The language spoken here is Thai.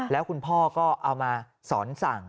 แล้วคุณพ่อก็เอามาสอนสั่ง